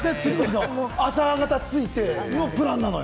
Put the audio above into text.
朝方に着いてのプランなのよ。